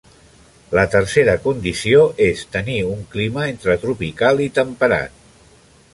La tercera condició és tenir un clima entre tropical i temperat.